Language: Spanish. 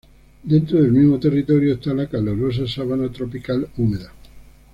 Dentro del mismo territorio está la calurosa sabana tropical húmeda.